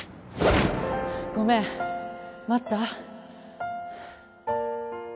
ごめん待った？